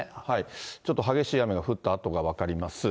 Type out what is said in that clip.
ちょっと激しい雨が降った跡が分かります。